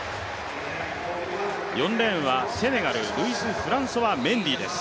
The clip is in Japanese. ４レーンはセネガル、ルイスフランソワ・メンディーです。